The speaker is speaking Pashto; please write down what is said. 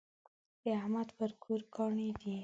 د احمد پر کور کاڼی دی.